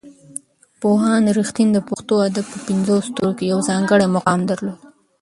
پوهاند رښتین د پښتو ادب په پنځو ستورو کې یو ځانګړی مقام درلود.